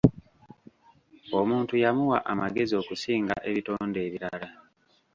Omuntu yamuwa amagezi okusinga ebitonde ebirala.